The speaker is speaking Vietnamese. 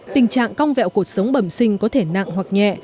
tình trạng cong vẹo cuộc sống bẩm sinh có thể nặng hoặc nhẹ